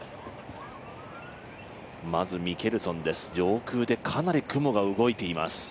まずミケルソンです、上空でかなり雲が動いています。